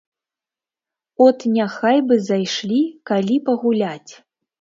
От няхай бы зайшлі калі пагуляць.